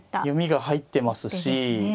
読みが入ってますし。